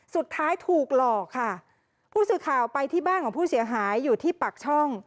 สุดท้ายถูกหลอกค่ะผู้สื่อข่าวไปที่บ้านของผู้เสียหายอยู่ที่ปากช่อง